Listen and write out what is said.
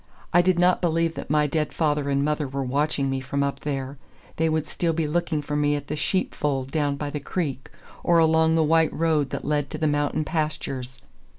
I did not believe that my dead father and mother were watching me from up there; they would still be looking for me at the sheep fold down by the creek, or along the white road that led to the mountain pastures.